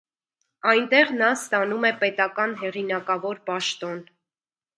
Այնտեղ նա ստանում է պետական հեղինակավոր պաշտոն։